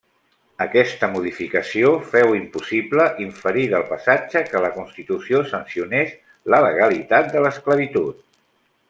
Aquesta modificació féu impossible inferir del passatge que la Constitució sancionés la legalitat de l'esclavitud.